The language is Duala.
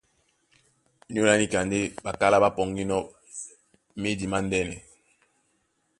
Ónyólá níka ndé ɓakálá ɓá pɔŋgínɔ̄ médi mándɛ́nɛ.